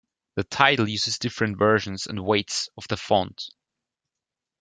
The title uses different versions and weights of the font.